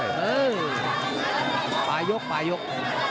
เออปลายก